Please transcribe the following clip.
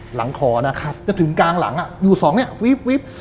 หลังคอนะครับจะถึงกลางหลังอยู่สองเนี่ยวิบ